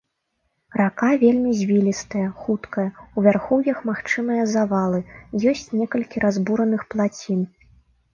Рака вельмі звілістая, хуткая, у вярхоўях магчымыя завалы, ёсць некалькі разбураных плацін.